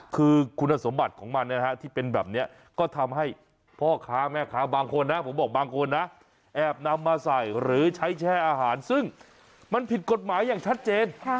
คือคุณสมบัติของมันนะฮะที่เป็นแบบนี้ก็ทำให้พ่อค้าแม่ค้าบางคนนะผมบอกบางคนนะแอบนำมาใส่หรือใช้แช่อาหารซึ่งมันผิดกฎหมายอย่างชัดเจน